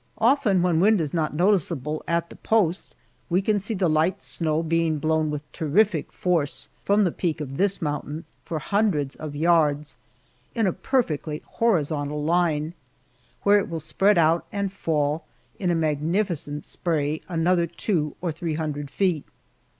Often when wind is not noticeable at the post, we can see the light snow being blown with terrific force from the peak of this mountain for hundreds of yards in a perfectly horizontal line, when it will spread out and fall in a magnificent spray another two or three hundred feet.